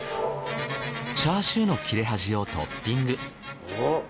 チャーシューの切れ端をトッピング。